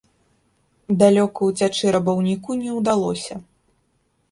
Далёка ўцячы рабаўніку не ўдалося.